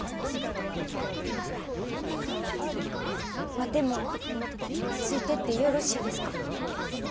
ワテもついてってよろしいですか？